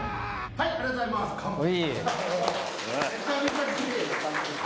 はいありがとうございます完璧です